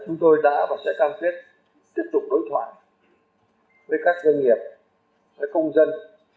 chúng tôi đã và sẽ can tuyết tiếp tục đối thoại với các doanh nghiệp với công dân